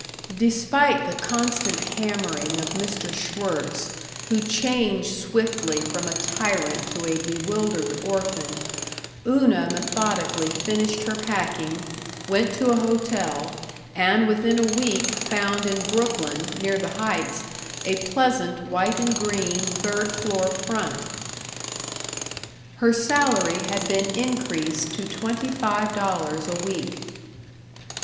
§ 3 Despite the constant hammering of Mr. Schwirtz, who changed swiftly from a tyrant to a bewildered orphan, Una methodically finished her packing, went to a hotel, and within a week found in Brooklyn, near the Heights, a pleasant white and green third floor front. Her salary had been increased to twenty five dollars a week.